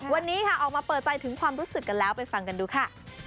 วันนี้ค่ะออกมาเปิดใจถึงความรู้สึกกันแล้วไปฟังกันดูค่ะ